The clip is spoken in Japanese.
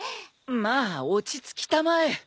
まあ落ち着きたまえ。